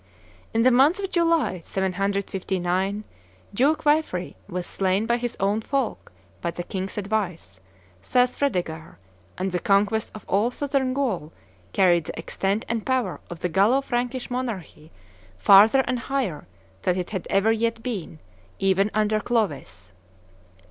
In the month of July, 759, "Duke Waifre was slain by his own folk, by the king's advice," says Fredegaire; and the conquest of all Southern Gaul carried the extent and power of the Gallo Frankish monarchy farther and higher than it had ever yet been, even under Clovis.